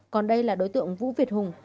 còn đây là đối tượng vũ việt hùng